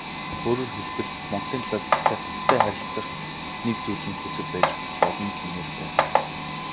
Өөрөөр хэлбэл, Монголын талаас Хятадтай харилцах нэг зүйлийн хөзөр байж болно гэмээр байна.